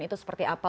itu seperti apa